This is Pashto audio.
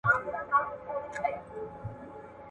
د خوب جامې له خولو پاکې وساتئ.